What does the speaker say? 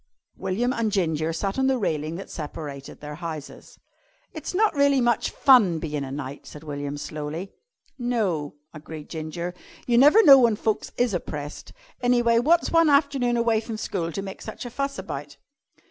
William and Ginger sat on the railing that separated their houses. "It's not really much fun bein' a knight," said William slowly. "No," agreed Ginger. "You never know when folks is oppressed. An' anyway, wot's one afternoon away from school to make such a fuss about?"